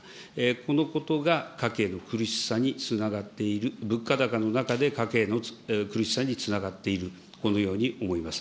このことが家計の苦しさにつながっている、物価高の中で家計の苦しさにつながっている、このように思います。